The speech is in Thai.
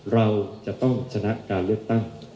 เราจะต้องชนะการเลือกตั้ง